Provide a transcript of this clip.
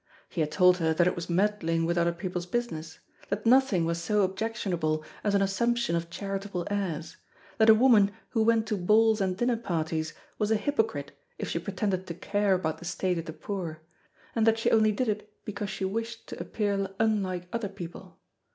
He had told her that it was meddling with other people's business; that nothing was so objectionable as an assumption of charitable airs; that a woman who went to balls and dinner parties was a hypocrite if she pretended to care about the state of the poor, and that she only did it because she wished to appear unlike other people.